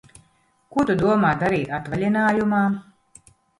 Ko Tu domā darīt atvaļinājumā?